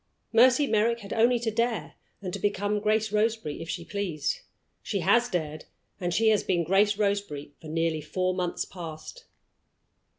Mercy Merrick had only to dare, and to become Grace Roseberry if she pleased. She has dared, and she has been Grace Roseberry for nearly four months past.